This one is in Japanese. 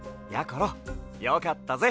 ころよかったぜ！